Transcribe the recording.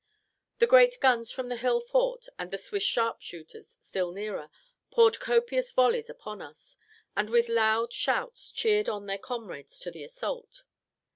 The great guns from the hill fort, and the Swiss sharpshooters, still nearer, poured copious volleys upon us, and with loud shouts cheered on their comrades to the assault.